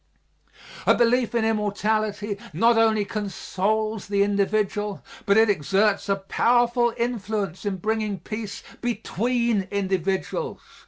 A belief in immortality not only consoles the individual, but it exerts a powerful influence in bringing peace between individuals.